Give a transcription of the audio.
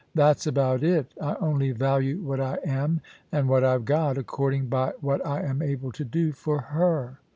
That's about it I only value what I am and what I've got, according by what I am able to do for her.